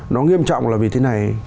nó nghiêm trọng là vì thế này